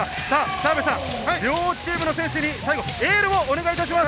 澤部さん、両チームの選手にエールをお願いします。